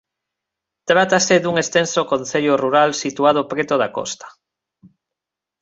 Trátase dun extenso concello rural situado preto da costa.